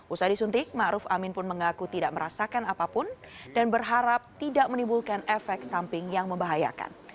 usai disuntik ⁇ maruf ⁇ amin pun mengaku tidak merasakan apapun dan berharap tidak menimbulkan efek samping yang membahayakan